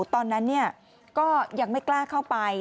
ตอนนั้นก็ยังไม่กล้าเข้าไป